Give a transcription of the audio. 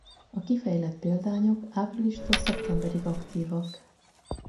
A kifejlett példányok áprilistól szeptemberig aktívak.